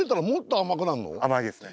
甘いですね。